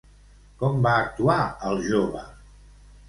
Com va actuar el jove?